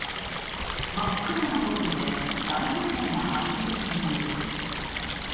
真っ暗な道路で大渋滞が発生している様子です。